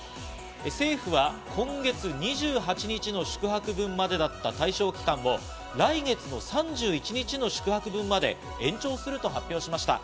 政府は今月２８日の宿泊分までだった対象期間を来月の３１日の宿泊分まで延長すると発表しました。